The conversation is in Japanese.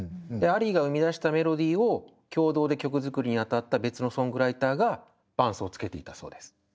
アリーが生み出したメロディーを共同で曲作りに当たった別のソングライターが伴奏をつけていたそうです。